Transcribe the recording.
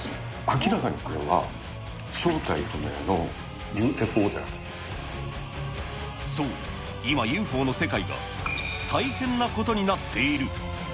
明らかにこれは、そう、今、ＵＦＯの世界が大変なことになっている。